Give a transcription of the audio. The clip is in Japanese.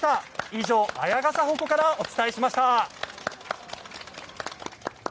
以上、綾傘鉾からお伝えしました。